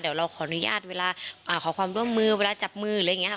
เดี๋ยวเราขออนุญาตเวลาขอความร่วมมือเวลาจับมือหรืออะไรอย่างนี้ค่ะ